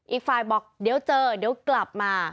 อีกฝ่ายบอกเดี๋ยวเจอเดี๋ยวกลับมา